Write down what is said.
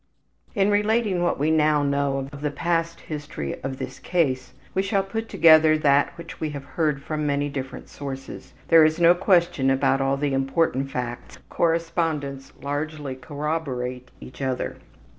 In relating what we now know of the past history of this case we shall put together that which we have heard from many different sources. There is no question about all the important facts correspondents largely corroborate each other.